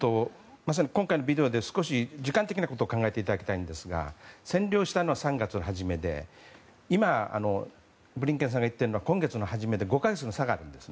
まさに今回のビデオで少し時間的なことを考えていただきたいんですが占領したのは３月の初めでブリンケンさんが言っているのは今月の初めのことで５か月の差があります。